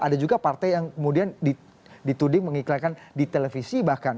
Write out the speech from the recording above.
ada juga partai yang kemudian dituding mengiklankan di televisi bahkan